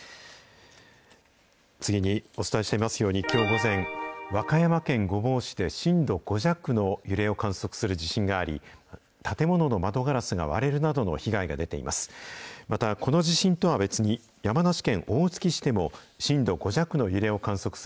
次にお伝えしていますように、きょう午前、和歌山県御坊市で震度５弱の揺れを観測する地震があり、建物の窓ガラスが割れるなどの被害が出ています。